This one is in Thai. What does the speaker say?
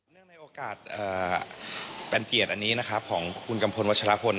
ในโอกาสเป็นเกียรติอันนี้นะครับของคุณกัมพลวัชลพล